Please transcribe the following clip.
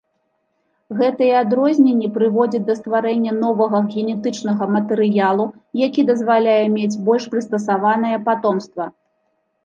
Гэтыя адрозненні прыводзяць да стварэння новага генетычнага матэрыялу, які дазваляе мець больш прыстасаванае патомства.